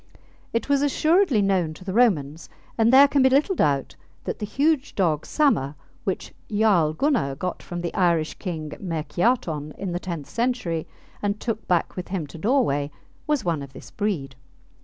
It was assuredly known to the Romans, and there can be little doubt that the huge dog Samr, which Jarl Gunnar got from the Irish king Myrkiarton in the tenth century and took back with him to Norway, was one of this breed.